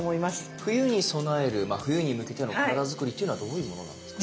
冬に備えるまあ冬に向けての体づくりっていうのはどういうものなんですか？